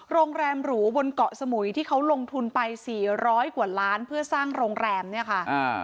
โรงแรมหรูบนเกาะสมุยที่เขาลงทุนไปสี่ร้อยกว่าล้านเพื่อสร้างโรงแรมเนี่ยค่ะอ่า